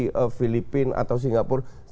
kalau tim lemah pun seperti filipina atau singapura